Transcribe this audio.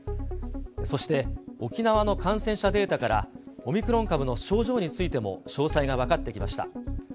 そして沖縄の感染者データから、オミクロン株の症状についても、詳細が分かってきました。